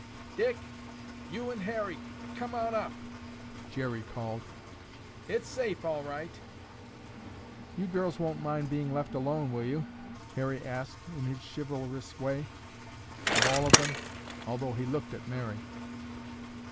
"Dick, you and Harry come on up," Jerry called. "It's safe all right." "You girls won't mind being left alone, will you?" Harry asked in his chivalrous way, of all of them, although he looked at Mary.